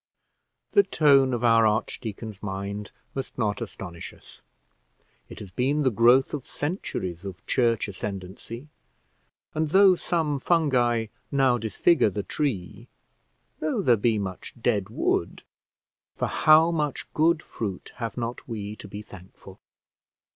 The tone of our archdeacon's mind must not astonish us; it has been the growth of centuries of church ascendancy; and though some fungi now disfigure the tree, though there be much dead wood, for how much good fruit have not we to be thankful?